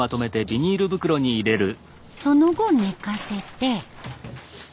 その後寝かせて。